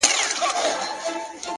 ته مي د ښكلي يار تصوير پر مخ گنډلی.